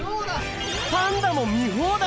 パンダも見放題